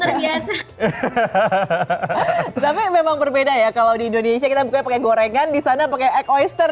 hahaha tapi memang berbeda ya kalau di indonesia kita bukanya pake gorengan di sana pakai ek oyster